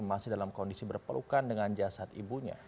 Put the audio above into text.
masih dalam kondisi berpelukan dengan jasad ibunya